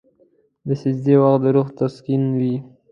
د سجدې وخت د روح سکون وي.